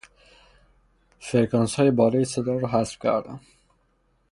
فرکانسهای بالای صدا را حذف کردم.